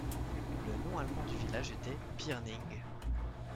Le nom allemand du village était Pirnig.